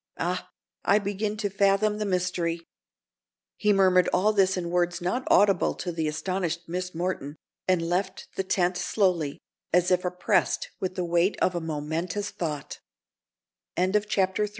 Ah, I begin to fathom the mystery." He murmured all this in words not audible to the astonished Miss Morton, and left the tent slowly, as if oppressed with the weight of a momentous th